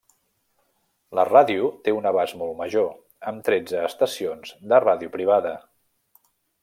La ràdio té un abast molt major, amb tretze estacions de ràdio privada.